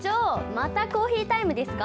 またコーヒータイムですか？